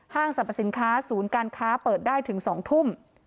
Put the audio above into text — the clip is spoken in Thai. สรรพสินค้าศูนย์การค้าเปิดได้ถึง๒ทุ่ม